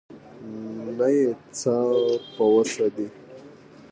نه یې څه په وسه دي.